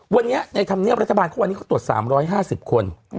วันนี้ในธรรมเนียบรัฐบาลเขาวันนี้เขาตรวจ๓๕๐คน